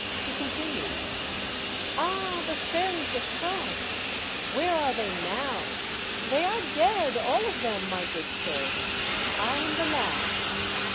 She continued, —Ah ! the Fairies of France, where are they now? They are dead, all of them, my good sirs. I am the last.